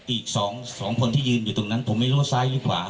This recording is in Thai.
อีกสองสองผู้ที่ยืนอยู่ตรงนั้นผมไม่รู้ทั้งซ้ายหรือขวา